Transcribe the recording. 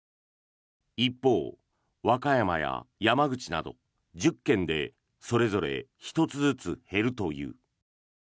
一方、和歌山や山口など１０県でそれぞれ１つずつ減るという。